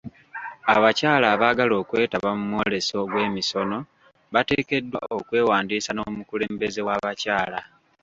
Abakyala abaagala okwetaba mu mwolese gw'emisono bateekeddwa okwewandiisa n'omukulembeze w'abakyala.